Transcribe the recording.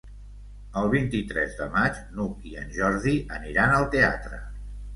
El vint-i-tres de maig n'Hug i en Jordi aniran al teatre.